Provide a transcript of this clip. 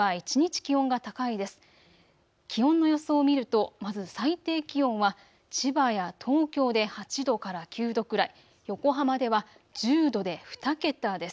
気温の予想を見るとまず最低気温は千葉や東京で８度から９度くらい、横浜では１０度で２桁です。